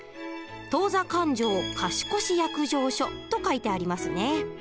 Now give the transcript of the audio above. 「当座勘定貸越約定書」と書いてありますね。